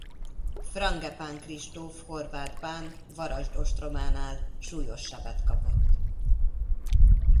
Frangepán Kristóf horvát bán Varasd ostrománál súlyos sebet kapott.